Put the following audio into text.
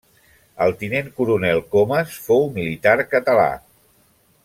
El Tinent Coronel Comes fou militar català.